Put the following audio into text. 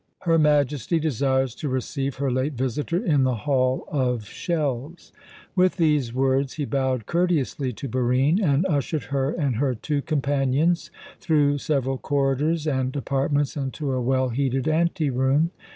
Her Majesty desires to receive her late visitor in the Hall of Shells." With these words he bowed courteously to Barine, and ushered her and her two companions through several corridors and apartments into a well heated anteroom.